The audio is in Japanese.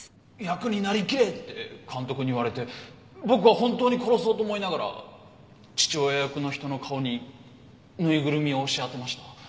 「役になりきれ！」って監督に言われて僕は本当に殺そうと思いながら父親役の人の顔にぬいぐるみを押し当てました。